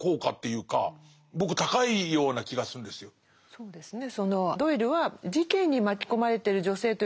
そうですね。